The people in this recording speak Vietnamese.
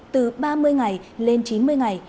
từ ba mươi ngày lên chín mươi ngày